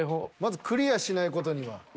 まずクリアしない事には。